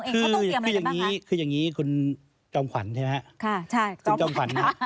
ค่ะใช่จอมขวัญค่ะ